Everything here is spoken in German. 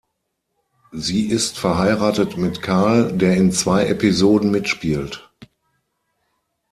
Sie ist verheiratet mit Carl, der in zwei Episoden mitspielt.